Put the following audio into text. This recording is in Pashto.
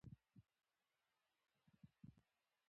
د یوې ښې راتلونکې په هیله.